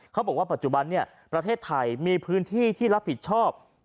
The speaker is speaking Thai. เขาบอกว่าปัจจุบันประเทศไทยมีพื้นที่ที่รับผิดชอบ